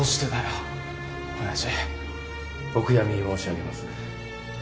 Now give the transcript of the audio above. お悔やみ申し上げます。